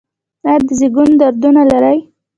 ایا د زیږون دردونه لرئ؟